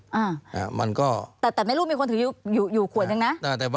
แต่ไม่รู้มีคนถืออยู่ขวดนึงนะ